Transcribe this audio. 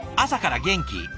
朝から元気。